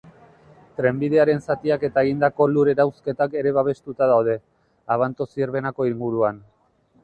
Trenbidearen zatiak eta egindako lur-erauzketak ere babestuta daude, Abanto-Zierbenako inguruan.